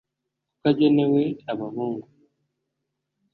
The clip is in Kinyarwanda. ko agenewe abahungu